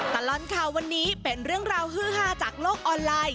ตลอดข่าววันนี้เป็นเรื่องราวฮือฮาจากโลกออนไลน์